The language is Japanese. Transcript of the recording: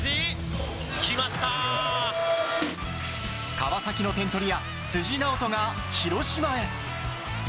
川崎の点取り屋辻直人が広島へ。